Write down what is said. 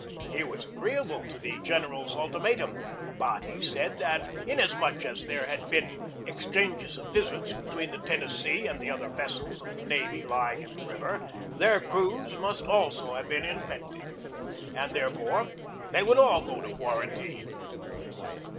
He was agreeable to the IN NEW ORLEANS 81 general's ultimatum, but he said that inasmuch as there had been exchanges of visits between the Ten nessee and the other vessels of the navy lying in the river their crews must also have been infected, and therefore they would all go to quarantine.